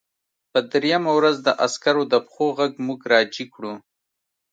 په درېیمه ورځ د عسکرو د پښو غږ موږ راجګ کړو